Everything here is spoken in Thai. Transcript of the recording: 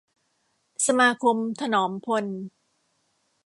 สมาคมถนอมพล